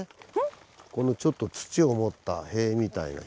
このちょっと土を盛った塀みたいな低い塀が。